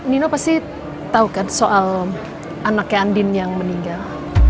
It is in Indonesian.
nino pasti tau kan soal anaknya andin yang meninggal